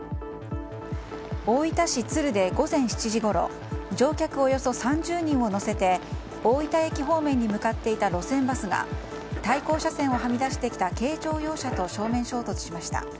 大分市津留で午前７時ごろ乗客およそ３０人を乗せて大分駅方面に向かっていた路線バスが対向車線をはみ出してきた軽乗用車と正面衝突しました。